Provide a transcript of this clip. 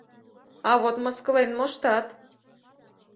А вот мыскылен моштат...